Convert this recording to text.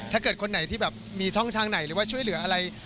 ถ้าเกิดคนไหนที่แบบมีช่องทางไหนหรือว่าช่วยเหลืออะไร